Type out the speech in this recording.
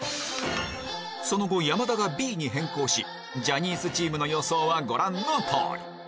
その後山田がＢに変更しジャニーズチームの予想はご覧の通り